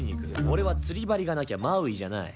「俺は釣り針がなきゃマウイじゃない」